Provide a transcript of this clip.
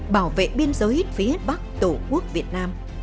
bảo vệ biên giới phía bắc tổ quốc việt nam